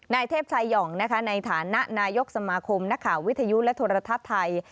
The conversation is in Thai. นายเทพชายห่องนะคะในฐานะนายกสมาคมนักข่าววิทยุและโทรทัศน์ไทย